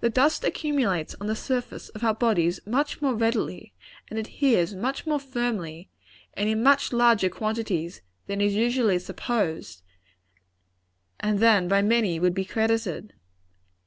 The dust accumulates on the surface of our bodies much more readily, and adheres much more firmly, and in much larger quantities, than is usually supposed, and than by many would be credited.